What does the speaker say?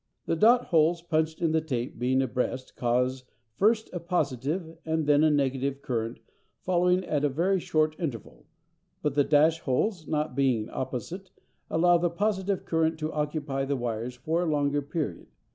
The "dot" holes punched in the tape being abreast cause first a positive and then a negative current following at a very short interval; but the "dash" holes not being opposite allow the positive current to occupy the wires for a longer period.